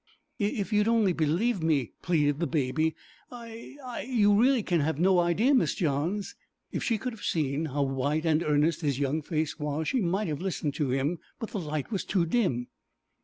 'If you'd only believe me,' pleaded the Baby, 'I I you really can have no idea, Miss Johns ' If she could have seen how white and earnest his young face was she might have listened to him, but the light was too dim.